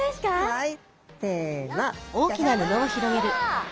はい。